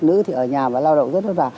nữ thì ở nhà và lao động rất là